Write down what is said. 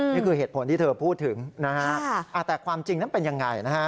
นี่คือเหตุผลที่เธอพูดถึงนะฮะแต่ความจริงนั้นเป็นยังไงนะฮะ